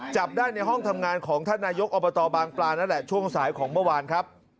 จับได้ในห้องทำงานของท่านนายกอบตบางปลานั่นแหละช่วงสายของเมื่อวานครับ